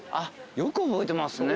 よく覚えてますね。